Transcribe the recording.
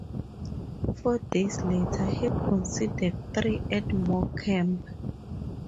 Four days later, he conceded three at Morecambe.